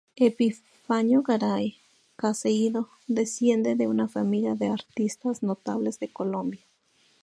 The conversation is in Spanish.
Epifanio Garay Caicedo desciende de una familia de artistas notables de Colombia.